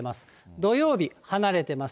土曜日、離れてます。